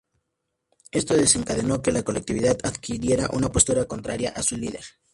Esto desencadenó que la colectividad adquiriera una postura contraria a su líder.